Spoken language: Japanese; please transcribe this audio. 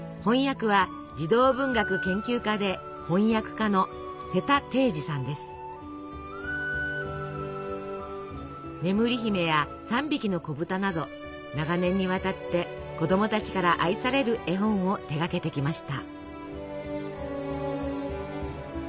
翻訳は「ねむりひめ」や「三びきのこぶた」など長年にわたって子どもたちから愛される絵本を手がけてきました。